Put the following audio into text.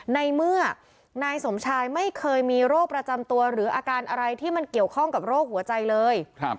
ในเมื่อนายสมชายไม่เคยมีโรคประจำตัวหรืออาการอะไรที่มันเกี่ยวข้องกับโรคหัวใจเลย